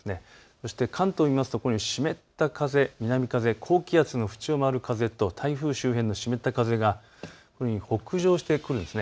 そして関東を見ますと湿った風、南風、高気圧の縁を回る風と台風周辺の湿った風が北上してくるんです。